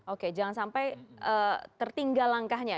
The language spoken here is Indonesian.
oke jangan sampai tertinggal langkahnya